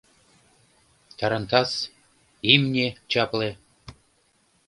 Тарантас, имне — чапле...